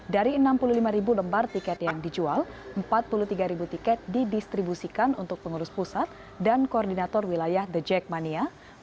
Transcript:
dari enam puluh lima ribu lembar tiket yang dijual empat puluh tiga tiket didistribusikan untuk pengurus pusat dan koordinator wilayah the jackmania